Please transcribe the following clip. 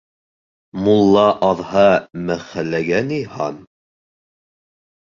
Мулла аҙһа, мәхәлләгә ни һан?